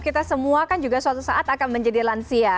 kita semua kan juga suatu saat akan menjadi lansia